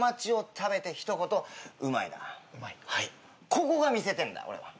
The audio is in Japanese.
ここが見せてえんだ俺は。